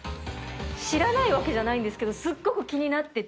知らないわけじゃないんですけどすっごく気になってて。